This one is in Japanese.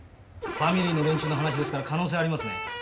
ファミリーの連中の話ですから可能性ありますね。